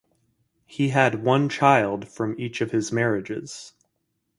He had one child from each of his marriages.